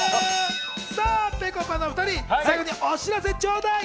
ぺこぱのお２人お知らせちょうだい！